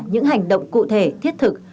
những hành động cụ thể thiết thực